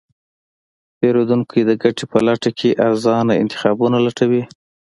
پیرودونکی د ګټې په لټه کې ارزانه انتخابونه لټوي.